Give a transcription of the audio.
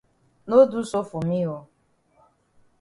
No do so for me oo.